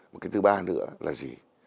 một cái thứ ba nữa là gì